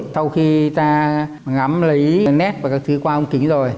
sau khi ta ngắm lấy nét và các thứ qua ông kính rồi